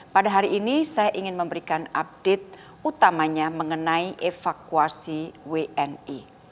pada hari ini saya ingin memberikan update utamanya mengenai evakuasi wni